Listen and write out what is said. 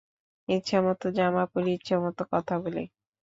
ইচ্ছামতো জামা পরি, ইচ্ছামতো কথা বলি।